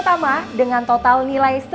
mama gak mau bantuin kamu